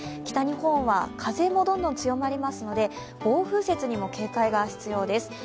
北日本は風もどんどん強まりますので暴風雪にも警戒が必要です。